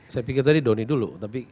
saya pikir tadi doni dulu